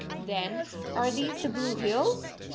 "Then are these the blue hills?"